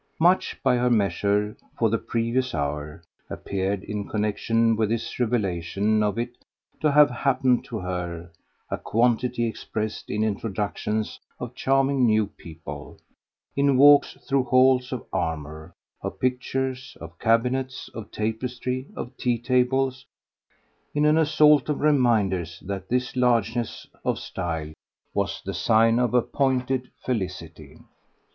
Much, by her measure, for the previous hour, appeared, in connexion with this revelation of it, to have happened to her a quantity expressed in introductions of charming new people, in walks through halls of armour, of pictures, of cabinets, of tapestry, of tea tables, in an assault of reminders that this largeness of style was the sign of APPOINTED felicity.